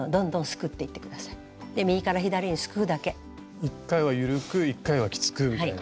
一回は緩く一回はきつくみたいな。